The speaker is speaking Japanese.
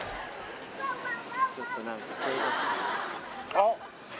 「あっ！」